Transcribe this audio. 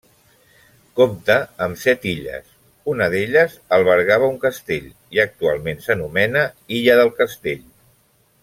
Compta amb set illes, una d'elles albergava un castell i actualment s'anomena illa del Castell.